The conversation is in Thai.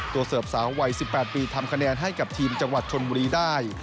เสิร์ฟสาววัย๑๘ปีทำคะแนนให้กับทีมจังหวัดชนบุรีได้